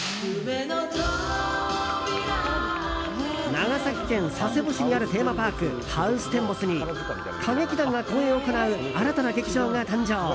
長崎県佐世保市にあるテーマパーク、ハウステンボスに歌劇団が公演を行う新たな劇場が誕生。